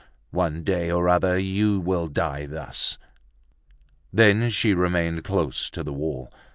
One day or other you will die thus." Then she remained close to the wall.